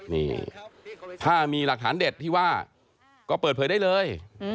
นี่ถ้ามีหลักฐานเด็ดที่ว่าก็เปิดเผยได้เลย